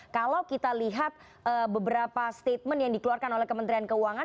kalau kita lihat beberapa statement yang dikeluarkan oleh kementerian keuangan